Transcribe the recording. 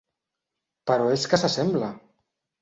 Però és que s'assembla!